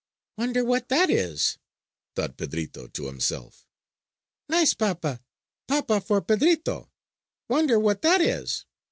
"Wonder what that is?" thought Pedrito to himself. "Nice papa! Papa for Pedrito. Wonder what that is?